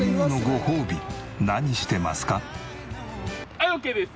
はいオッケーです。